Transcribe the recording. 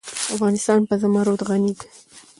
افغانستان په زمرد غني دی.